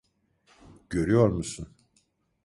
Görüyor musun?